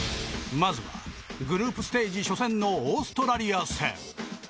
まずはグループステージ初戦のオーストラリア戦。